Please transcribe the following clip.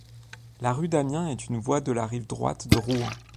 La rue d'Amiens est une voie de la rive droite de Rouen.